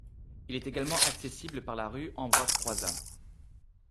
Il est également accessible par la rue Ambroise-Croizat.